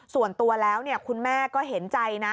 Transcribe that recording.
ส่วนตัวแล้วคุณแม่ก็เห็นใจนะ